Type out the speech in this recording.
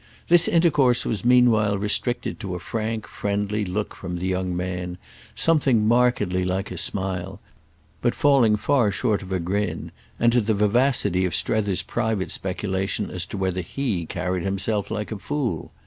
This intercourse was meanwhile restricted to a frank friendly look from the young man, something markedly like a smile, but falling far short of a grin, and to the vivacity of Strether's private speculation as to whether he carried himself like a fool.